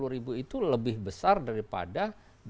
empat ratus dua puluh ribu itu lebih besar daripada